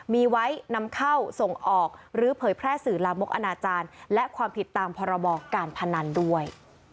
มีไว้นำเข้าส่งออกหรือเผยแพร่สื่อลามกอนาจารย์และความผิดตามพรบการพนันด้วย